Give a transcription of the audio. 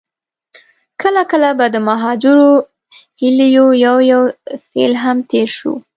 کله کله به د مهاجرو هيليو يو يو سيل هم تېر شو.